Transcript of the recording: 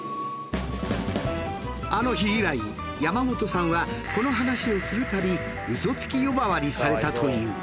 あの日以来山本さんはこの話をするたびされたという。